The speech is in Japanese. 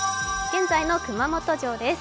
現在の熊本城です。